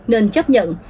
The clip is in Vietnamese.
nên chấp nhận